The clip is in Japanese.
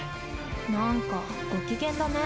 なんかご機嫌だね。